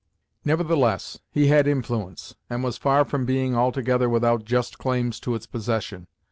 Nevertheless, he had influence; and was far from being altogether without just claims to its possession.